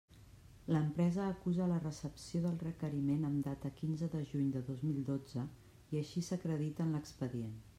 L'empresa acusa la recepció del requeriment amb data quinze de juny de dos mil dotze, i així s'acredita en l'expedient.